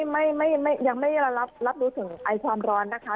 ยังไม่ได้รับรู้ถึงไอความร้อนนะคะ